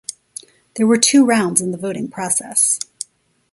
There were two rounds in the voting process.